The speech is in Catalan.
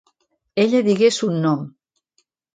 Ella digué son nom.